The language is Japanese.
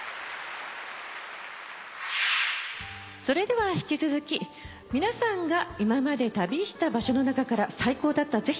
それでは引き続き皆さんが今まで旅した場所の中から最高だった